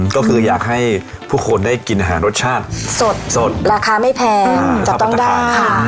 ก็คืออยากให้ผู้คนได้กินอาหารรสชาติสดสดราคาไม่แพงจะต้องได้ค่ะ